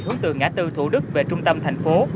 hướng từ ngã tư thủ đức về trung tâm thành phố